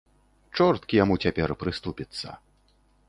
Чорт к яму цяпер прыступіцца.